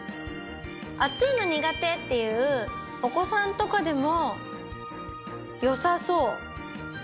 熱いの苦手っていうお子さんとかでも良さそう。